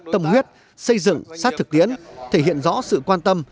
tâm huyết xây dựng sát thực tiễn thể hiện rõ sự quan tâm